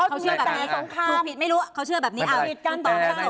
ถูกผิดไม่รู้เค้าเชื่อแบบนี้